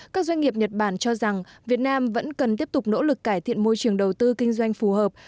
các doanh nghiệp nhật bản cho rằng việt nam vẫn cần tiếp tục nỗ lực cải thiện môi trường đầu tư kinh doanh phù hợp